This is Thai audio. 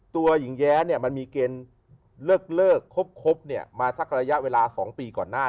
ตัวหญิงแย้มันมีเกณฑ์เลิกคบมาสักระยะเวลา๒ปีก่อนหน้า